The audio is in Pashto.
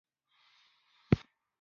هغې وویل محبت یې د دریا په څېر ژور دی.